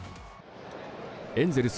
エンゼルス